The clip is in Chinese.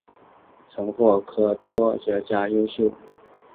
曾获国科会优等研究奖及中华民国教育部教学特优教师奖。